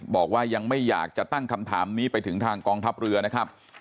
บอกว่ายังไม่อยากจะตั้งคำถามนี้ไปถึงทางกองทัพเรือนะครับ